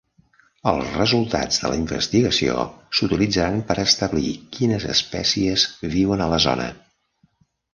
Els resultats de la investigació s'utilitzaran per establir quines espècies viuen a la zona.